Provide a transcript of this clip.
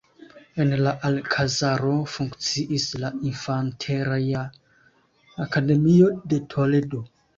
En la alkazaro funkciis la Infanteria Akademio de Toledo.